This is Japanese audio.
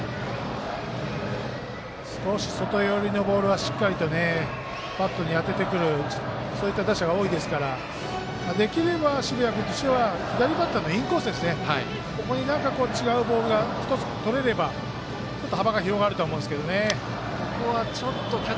少し外寄りのボールはしっかりバットに当ててくるそういった打者が多いですからできれば、澁谷君としては左バッターのインコース、ここに違うボールが１つとれれば、ちょっと幅が広がるとは思うんですけども。